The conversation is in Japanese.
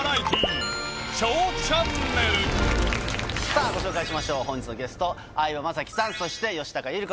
さぁご紹介しましょう本日のゲスト相葉雅紀さんそして吉高由里子さんです。